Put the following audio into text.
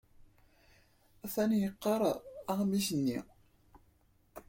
Atan yeqqar aɣmis-nni.